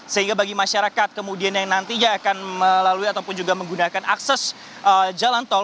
sehingga bagi masyarakat kemudian yang nantinya akan melalui ataupun juga menggunakan akses jalan tol